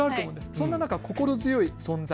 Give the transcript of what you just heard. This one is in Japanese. そんな中、心強い存在。